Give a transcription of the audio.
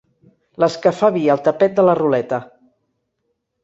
Les que fa vi al tapet de la ruleta.